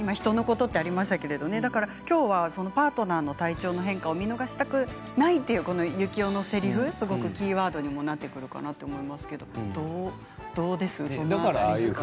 人のことがありましたが今日はパートナーの体調の変化を見逃したくない幸男のせりふすごくキーワードになってくるのかなと思いましたけれども、どうです？